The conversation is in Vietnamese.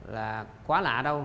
là quá lạ đâu